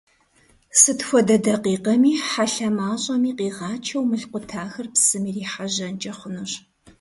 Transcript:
Сыт хуэдэ дакъикъэми хьэлъэ мащӀэми къигъачэу мыл къутахэр псым ирихьэжьэнкӀэ хъунущ.